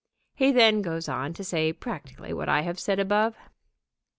He then goes on to say practically what I have said above.